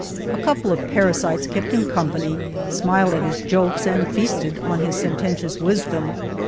A couple of parasites kept him company, smiled at his jokes and feasted on his sententious wisdom.